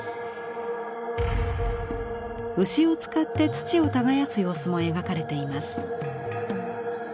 牛を使って土を耕す様子も描かれています。